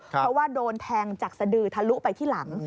เพราะว่าโดนแทงจากสดือทะลุไปที่หลัง